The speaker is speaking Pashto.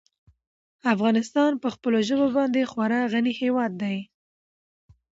افغانستان په خپلو ژبو باندې خورا غني هېواد دی.